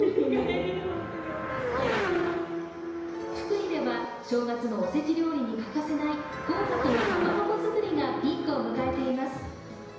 福井では正月のお節料理に欠かせない紅白のかまばこ作りがピークを迎えています。